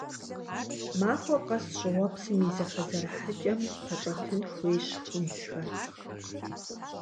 Махуэ къэс щӏыуэпсым и зэхэзэрыхьыкӏэм пэщӏэтын хуейщ хунзхэр.